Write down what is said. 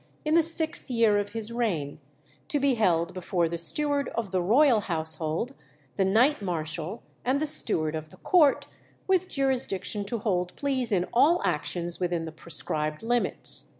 in the sixth year of his reign, to be held before the steward of the royal household, the knight marshal, and the steward of the court, with jurisdiction to hold pleas in all actions within the prescribed limits.